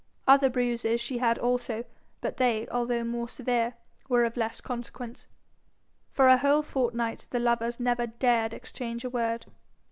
Other bruises she had also, but they, although more severe, were of less consequence. For a whole fortnight the lovers never dared exchange a word.